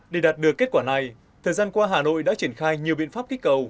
để đạt được kết quả này thời gian qua hà nội đã triển khai nhiều biện pháp kích cầu